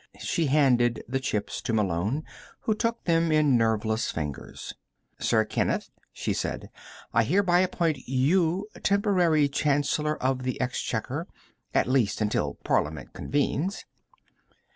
She handed the chips to Malone, who took them in nerveless fingers. "Sir Kenneth," she said, "I hereby appoint you temporary Chancellor of the Exchequer at least until Parliament convenes."